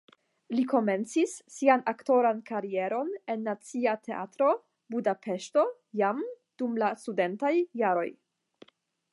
Li komencis sian aktoran karieron en Nacia Teatro (Budapeŝto) jam dum la studentaj jaroj.